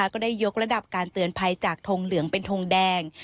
ก็ได้ยกระดับการเตือนภัยจากทงเหลืองเป็นทงแดง